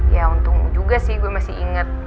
ya untung juga sih gue masih inget